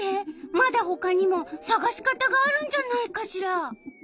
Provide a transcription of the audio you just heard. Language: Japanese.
まだほかにもさがし方があるんじゃないかしら。